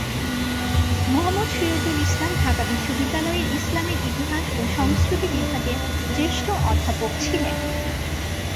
মুহম্মদ সিরাজুল ইসলাম ঢাকা বিশ্ববিদ্যালয়ের ইসলামের ইতিহাস ও সংস্কৃতি বিভাগের জ্যেষ্ঠ অধ্যাপক ছিলেন।